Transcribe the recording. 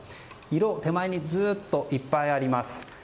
色が手前にずっといっぱいありますね。